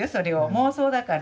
妄想だから。